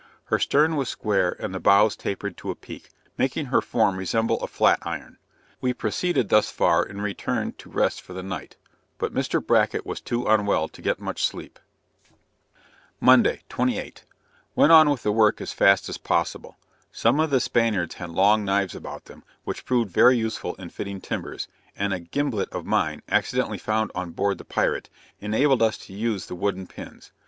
Her stern was square and the bows tapered to a peak, making her form resemble a flat iron. We proceeded thus far and returned to rest for the night but Mr. Bracket was too unwell to get much sleep. Monday, 28 Went on with the work as fast as possible. Some of the Spaniards had long knives about them, which proved very useful in fitting timbers, and a gimblet of mine, accidentally found on board the pirate, enabled us to use the wooden pins.